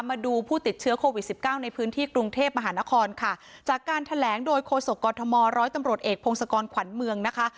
มาดูผู้ติดเชื้อโควิดสิบเก้าในพื้นที่กรุงเทพมหานครค่ะจากการแถลงโดยโคศกกรทมร้อยตำรวจเอกพงศกรขวัญเมืองนะคะ